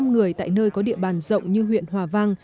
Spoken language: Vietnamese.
năm người tại nơi có địa bàn rộng như huyện hòa vang